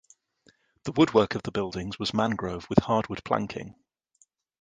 The woodwork of the buildings was mangrove with hardwood planking.